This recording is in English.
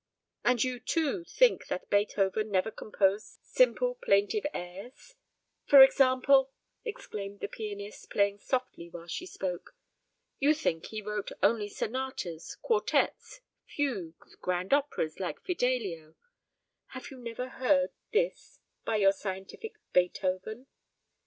"And you, too, think that Beethoven never composed simple plaintive airs for example," exclaimed the pianist, playing softly while she spoke. "You think he wrote only sonatas, quartettes, fugues, grand operas, like Fidelio. Have you never heard this by your scientific Beethoven?"